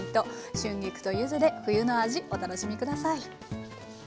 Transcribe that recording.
春菊と柚子で冬の味お楽しみ下さい。